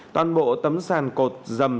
toàn bộ tấm sàn cột dầm